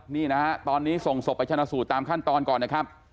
นี่นะฮะตอนนี้ส่งศพไปชนะสูตรตามขั้นตอนก่อนนะครับ